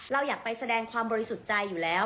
เราอยากไปแสดงความบริสุทธิ์ใจอยู่แล้ว